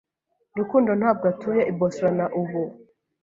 Rukundo ntabwo atuye i Boston ubu.